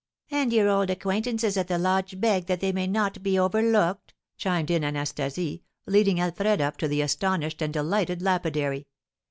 "And your old acquaintances at the lodge beg that they may not be overlooked," chimed in Anastasie, leading Alfred up to the astonished and delighted lapidary.